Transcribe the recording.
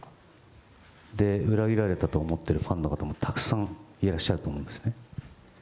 で、裏切られたと思っているファンの方もたくさんいらっしゃると思うんですね。